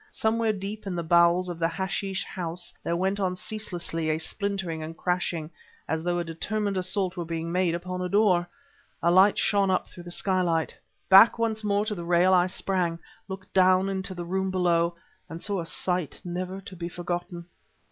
Somewhere deep in the bowels of the hashish house there went on ceaselessly a splintering and crashing as though a determined assault were being made upon a door. A light shone up through the skylight. Back once more to the rail I sprang, looked down into the room below and saw a sight never to be forgotten.